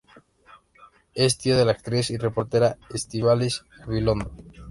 Es tío de la actriz y reportera Estíbaliz Gabilondo.